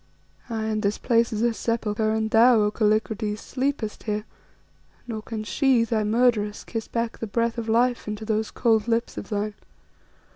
Aye, and this place is a sepulchre, and thou, O Kallikrates, sleepest here, nor can she, thy murderess, kiss back the breath of life into those cold lips of thine.